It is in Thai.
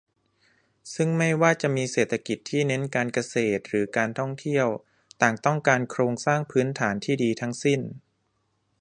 ซึ่งไม่ว่าจะมีเศรษฐกิจที่เน้นการเกษตร หรือ การท่องเที่ยว ต่างต้องการโครงสร้างพื้นฐานที่ดีทั้งสิ้น